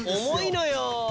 重いのよ。